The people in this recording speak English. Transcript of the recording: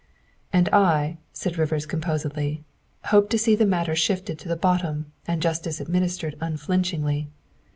"And I," said Rivers composedly, " hope to see the matter sifted to the bottom and justice administered unflinchingly.